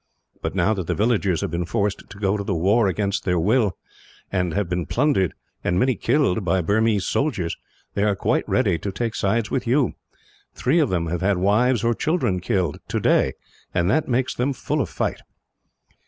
But, now that the villagers have been forced to go to the war against their will; and have been plundered, and many killed, by Burmese soldiers, they are quite ready to take sides with you. Three of them have had wives or children killed, today; and that makes them full of fight."